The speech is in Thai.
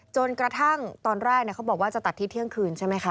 จนกระทั่งตอนแรกเขาบอกว่าจะตัดที่เที่ยงคืนใช่ไหมคะ